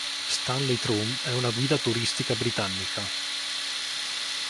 Stanley Thrumm è una guida turistica britannica.